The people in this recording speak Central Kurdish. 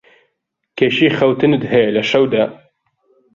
کێشەی خەوتنت هەیە لە شەودا؟